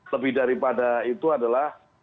tapi daripada itu adalah